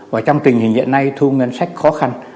và trong tình hình hiện nay thu ngân sách khó khăn